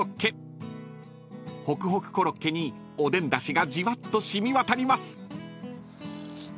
［ほくほくコロッケにおでんだしがじわっと染み渡ります］